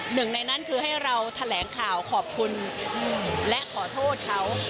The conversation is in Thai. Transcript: หนึ่งในนั้นคือให้เราแถลงข่าวขอบคุณและขอโทษเขา